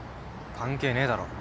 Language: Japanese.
関係ねえだろ。